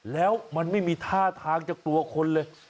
แล้วมันไม่มีท่าทางจะกลัวคนเลย